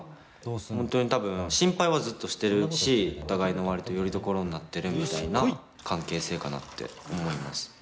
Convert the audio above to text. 本当に多分心配はずっとしてるしお互いの割とよりどころになってるみたいな関係性かなって思います。